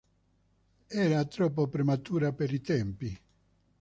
Era troppo prematura per i tempi.